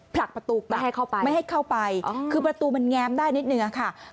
ผลักประตูไปไม่ให้เข้าไปคือประตูมันแง้มได้นิดหนึ่งค่ะไม่ให้เข้าไป